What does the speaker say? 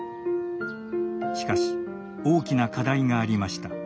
しかし大きな課題がありました。